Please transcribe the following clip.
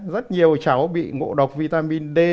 rất nhiều cháu bị ngộ độc vitamin d